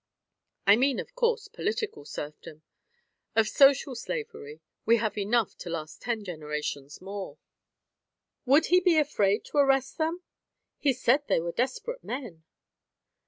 I mean, of course, political serfdom. Of social slavery we have enough to last ten generations more. "Would he be afraid to arrest them? He said they were desperate men."